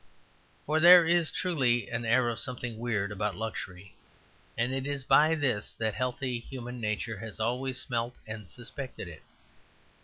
For there is truly an air of something weird about luxury; and it is by this that healthy human nature has always smelt and suspected it.